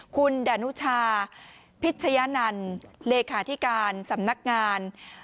คุณดานุชาพิชยนันต์เลขาธิการสำนักงาน